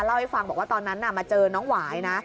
เล่าให้ฟังบอกว่าตอนนั้นมาเจอน้องหวายนะ